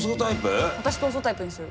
私闘争タイプにする。